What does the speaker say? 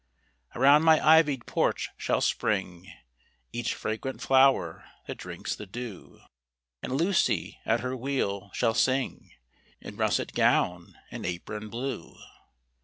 Around my ivy'd porch shall spring Each fragrant flower that drinks the dew; And Lucy, at her wheel, shall sing In russet gown and apron blue.